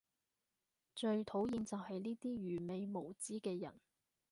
最討厭就係呢啲愚昧無知嘅人